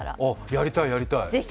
やりたい、やりたい。